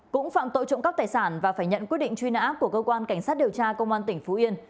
cũng phạm tội trộm cắp tài sản và phải nhận quyết định truy nã của cơ quan cảnh sát điều tra công an tỉnh phú yên